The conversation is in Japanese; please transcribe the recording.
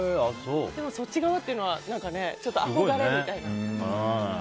でも、そっち側っていうのはちょっと憧れみたいな。